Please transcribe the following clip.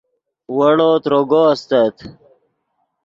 ویڑو تروگو استت